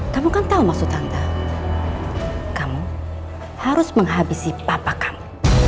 kamu kan tahu maksud anda kamu harus menghabisi papa kamu